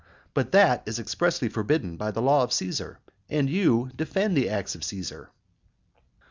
But that is expressly forbidden by the law of Caesar, and you defend the acts of Caesar.